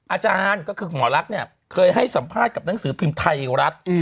อาจารย์ก็คือคุณหมอลักษณ์เนี่ยเคยให้สัมภาษณ์กับหนังสือพิมพ์ไทยรัฐ